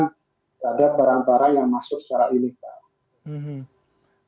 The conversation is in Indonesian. terhadap barang barang yang masuk secara ilegal